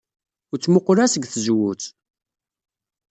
Ur ttmuqqul ara seg tzewwut.